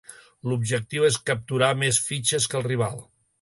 L'objectiu és capturar més fitxes que el rival.